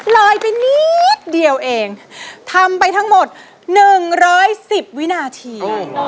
ลอยไปนิดเดียวเองทำไปทั้งหมด๑๑๐วินาที